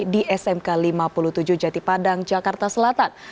di smk lima puluh tujuh jatipadang jakarta selatan